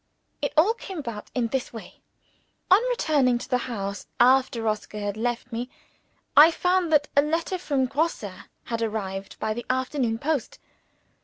It all came about in this way. On returning to the house, after Oscar had left me, I found that a letter from Grosse had arrived by the afternoon post.